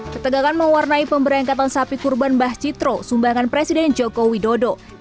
ketegangan mewarnai pemberangkatan sapi kurban mbah citro sumbangan presiden joko widodo